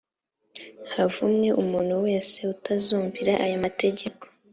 havumwe umuntu wese utazumvira aya mategeko